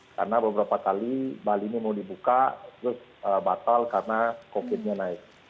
karena beberapa kali bali ini mau dibuka terus batal karena covid nya naik